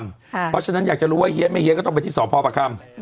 เพราะฉะนั้นอยากจะรู้ว่าเฮียไม่เฮียก็ต้องไปที่สพประคำ